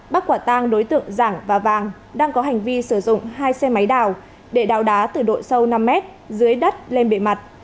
bắt quả tang đối tượng giảng và vàng đang có hành vi sử dụng hai xe máy đào để đào đá từ độ sâu năm mét dưới đất lên bề mặt